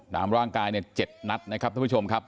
ตามร่างกายเนี่ย๗นัดนะครับท่านผู้ชมครับ